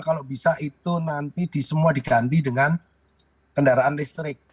kalau bisa itu nanti semua diganti dengan kendaraan listrik